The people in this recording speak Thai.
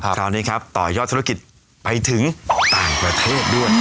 คราวนี้ครับต่อยอดธุรกิจไปถึงต่างประเทศด้วย